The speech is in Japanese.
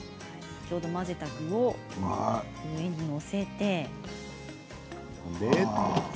先ほど混ぜた具を上に載せて。